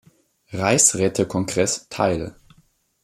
Reichsrätekongress teil.